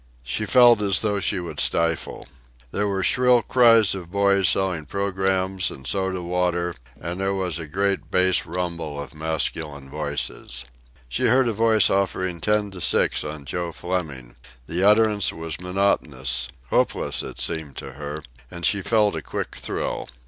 She felt as though she would stifle. There were shrill cries of boys selling programmes and soda water, and there was a great bass rumble of masculine voices. She heard a voice offering ten to six on Joe Fleming. The utterance was monotonous hopeless, it seemed to her, and she felt a quick thrill.